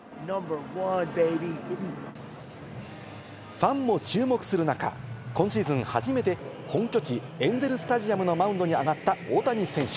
ファンも注目する中、今シーズン初めて、本拠地エンゼル・スタジアムのマウンドに上がった大谷選手。